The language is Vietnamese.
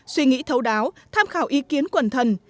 suy nghĩ thấu đáo tham khảo ý kiến quần thần